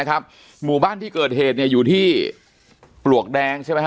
หมู่บ้านที่เกิดเหตุอยู่ที่ปลวกแดงใช่ไหมฮ